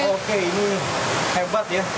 oke ini hebat ya